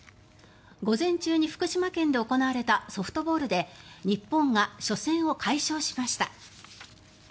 午前中に福島県で行われたソフトボールで日本が初戦を快勝しました。